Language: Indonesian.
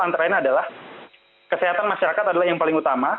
antaranya adalah kesehatan masyarakat adalah yang paling utama